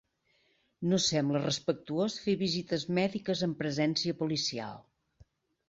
No sembla respectuós fer visites mèdiques amb presència policial